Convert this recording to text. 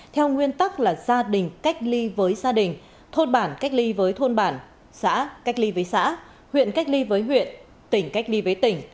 theo nguyên tắc là gia đình cách ly với gia đình thôn bản cách ly với thôn bản xã cách ly với xã huyện cách ly với huyện tỉnh cách ly với tỉnh